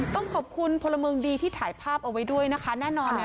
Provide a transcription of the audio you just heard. ต้องขอบคุณพลเมืองดีที่ถ่ายภาพเอาไว้ด้วยนะคะแน่นอนเนี่ย